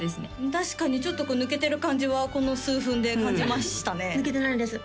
確かにちょっと抜けてる感じはこの数分で感じましたね